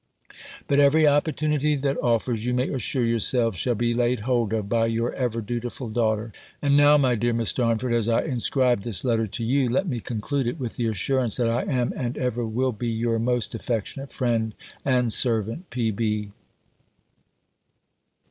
But every opportunity that offers, you may assure yourselves, shall be laid hold of by your ever dutiful daughter. And now, my dear Miss Darnford, as I inscribed this letter to you, let me conclude it, with the assurance, that I am, and ever will be your most affectionate friend and servant, P.B.